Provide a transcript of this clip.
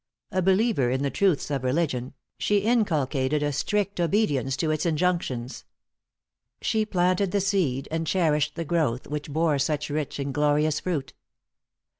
A believer in the truths of religion, she inculcated a strict obedience to its injunctions. She planted the seed, and cherished the growth, which bore such rich and glorious fruit.